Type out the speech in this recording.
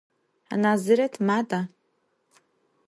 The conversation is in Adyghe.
Naziret mada?